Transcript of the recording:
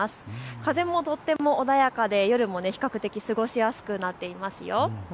風もとても穏やかで夜も比較的過ごしやすくなっていますよ。